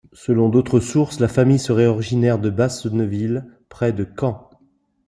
Selon d'autres sources, la famille serait originaire de Basseneville, près de Caen.